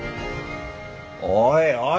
おいおい